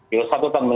ya satu tahun